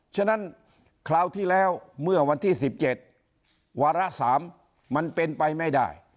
ฉะนั้นคราวที่แล้วเมื่อวันที่๑๗วาระ๓มันเป็นไปไม่ได้